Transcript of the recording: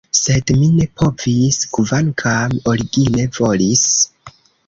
Sed mi ne povis, kvankam origine volis.